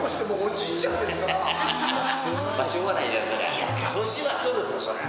しょうがない、それは。